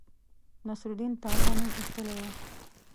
نصرالدین تازه نوم ایستلی وو.